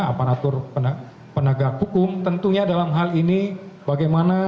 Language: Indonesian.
aparatur penegak hukum tentunya dalam hal ini bagaimana